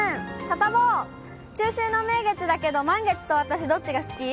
サタボー、中秋の名月だけど、満月と私、どっちが好き？